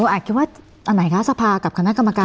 อาจคิดว่าอันไหนคะสภากับคณะกรรมการ